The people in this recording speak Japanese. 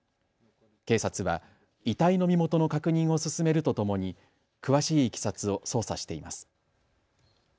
警察は遺体の身元の確認を進めるとともに詳しいいきさつを捜査しています。